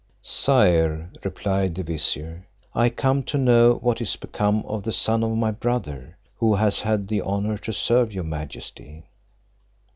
"Sire," replied the vizier "I come to know what is become of the son of my brother, who has had the honour to serve your majesty."